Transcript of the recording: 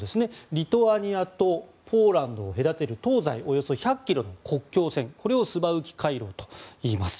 リトアニアとポーランドを隔てる東西およそ１００ｋｍの国境線これをスバウキ回廊といいます。